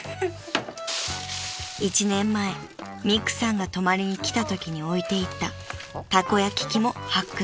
［１年前みくさんが泊まりに来たときに置いていったたこ焼き器も発掘されました］